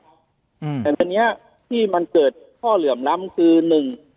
ด้วยนะครับอืมแต่วันนี้ที่มันเกิดข้อเหลื่อมล้ำคือหนึ่ง